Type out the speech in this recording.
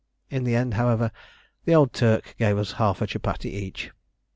In the end, however, the old Turk gave us half a chupattie each.